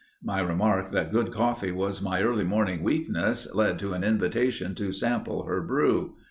My remark that good coffee was my early morning weakness led to an invitation to sample her brew.